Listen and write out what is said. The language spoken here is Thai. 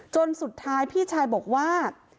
จนสุดท้ายพี่ชายบอกว่า